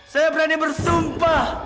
saya berani bersumpah